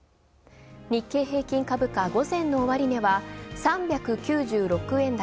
日経平均株価、午前の終値は３９６円